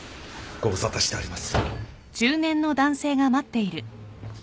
ご無沙汰しております。